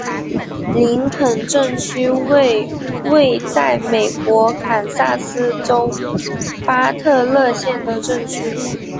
林肯镇区为位在美国堪萨斯州巴特勒县的镇区。